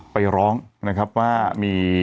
ไปร้องว่ามี